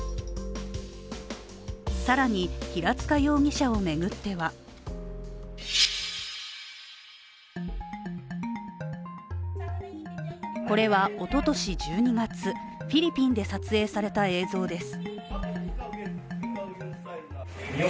更に平塚容疑者を巡ってはこれはおととし１２月フィリピンで撮影された映像です。